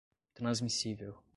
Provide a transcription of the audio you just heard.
transmissível